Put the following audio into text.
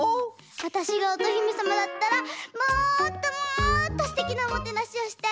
わたしがおとひめさまだったらもっともっとすてきなおもてなしをしてあげたいな！